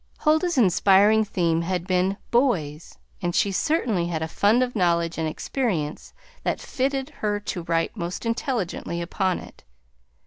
Huldah's inspiring theme had been Boys, and she certainly had a fund of knowledge and experience that fitted her to write most intelligently upon it.